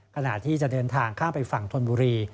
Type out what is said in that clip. ขณะที่จะเดินทางข้ามไปฝั่งธนบุรี